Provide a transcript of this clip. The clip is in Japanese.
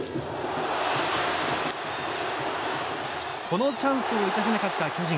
このチャンスを生かせなかった巨人